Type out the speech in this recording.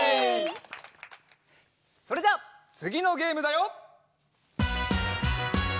それじゃあつぎのゲームだよ！